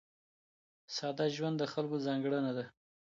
ساده ژوند د خلکو ځانګړنه ده.